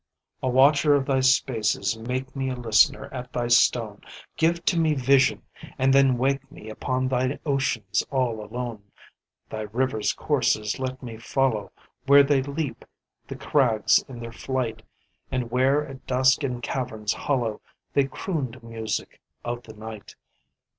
A watcher of Thy spaces make me, Make me a listener at Thy stone, Give to me vision and then wake me Upon Thy oceans all alone. Thy rivers' courses let me follow Where they leap the crags in their flight And where at dusk in caverns hollow They croon to music of the night.